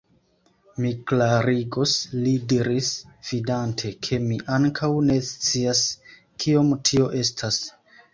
Mi klarigos, li diris, vidante, ke mi ankaŭ ne scias, kiom tio estas.